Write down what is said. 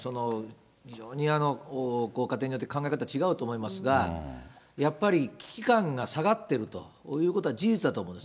非常にご家庭によって考え方違うと思いますが、やっぱり危機感が下がってるということは事実だと思います。